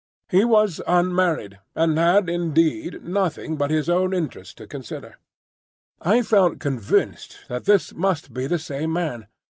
He was unmarried, and had indeed nothing but his own interest to consider. I felt convinced that this must be the same man.